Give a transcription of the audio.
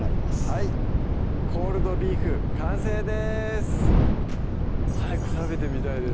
はい「コールドビーフ」完成です早く食べてみたいです